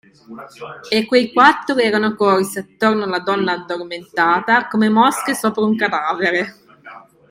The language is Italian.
E quei quattro erano corsi attorno alla donna addormentata, come mosche sopra un cadavere.